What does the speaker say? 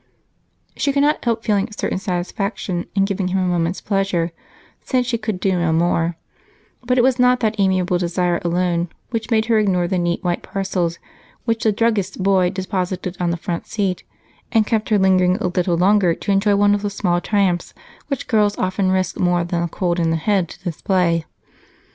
She could not help feeling a certain satisfaction in giving him a moment's pleasure, since she could do no more, but it was not that amiable desire alone which made her ignore the neat white parcels which the druggist's boy deposited on the front seat and kept her lingering a little longer to enjoy one of the small triumphs which girls often risk more than a cold in the head to display.